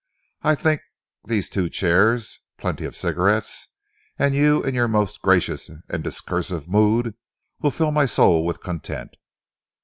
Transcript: I think these two chairs, plenty of cigarettes, and you in your most gracious and discoursive mood, will fill my soul with content."